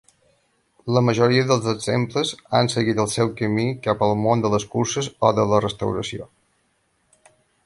La majoria dels exemples han seguit el seu camí cap al món de les curses o de la restauració.